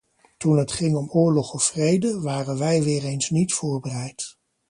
Toen het ging om oorlog of vrede, waren wij weer eens niet voorbereid.